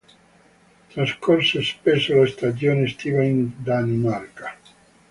Trascorse spesso la stagione estiva in Danimarca.